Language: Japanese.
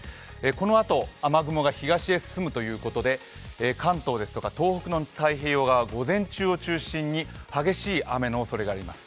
このあと、雨雲が東へ進むということで、関東ですとか東北の太平洋側は午前中を中心に激しい雨のおそれがあります。